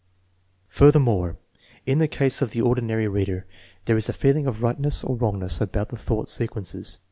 Furthermore, in the case of the ordinary reader there is a feeling of tightness or wrongness about the thought se quences.